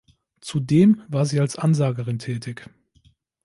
Zudem war sie als Ansagerin tätig.